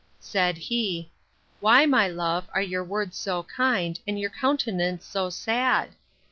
Said he, Why, my love, are your words so kind, and your countenance so sad?